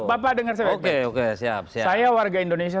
bapak dengar saya baik baik saya warga indonesia